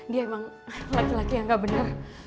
dia emang laki laki yang gak benar